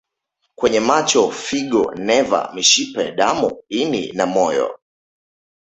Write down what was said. kwenye macho figo neva mishipa ya damu ini na moyo